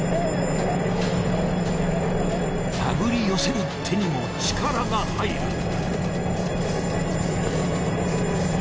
手繰り寄せる手にも力が入る。